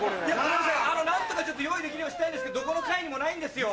何とか用意できるようにしたいんですけどどこの階にもないんですよ。